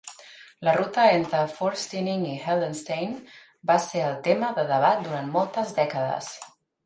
La ruta entre Forstinning i Heldenstein va ser el tema de debat durant moltes dècades.